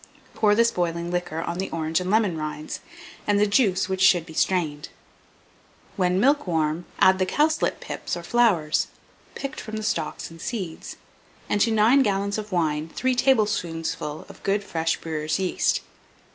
Pour this boiling liquor on the orange and lemon rinds, and the juice, which should be strained; when milk warm, add the cowslip pips or flowers, picked from the stalks and seeds; and to 9 gallons of wine 3 tablespoonfuls of good fresh brewers' yeast.